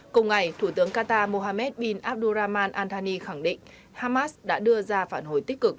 cùng ngày thủ tướng qatar mohammed bin abdurrahman al thani khẳng định hamas đã đưa ra phản hồi tích cực